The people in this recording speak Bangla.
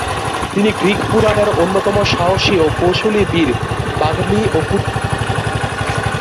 তিনি গ্রিক পুরাণের অন্যতম সাহসী ও কৌশলী বীর, বাগ্মী ও কূটনীতিবিদ।